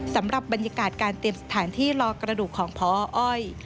สำหรับบรรยากาศการเตรียมสถานที่รอกระดูกของพออ้อย